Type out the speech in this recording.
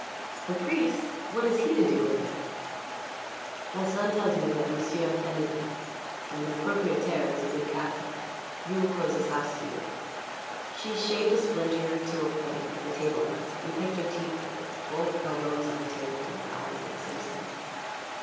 "The priest? What has he to do with it?" "My son tells me that m'sieu' offended him, and the propriétaire is a good Catholic. He will close his house to you." She shaved a splinter to a point with a table knife and picked her teeth with it, both elbows on the table and her eyes on Simpson.